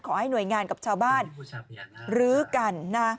ขอให้หน่วยงานกับชาวบ้านรื้อกันนะ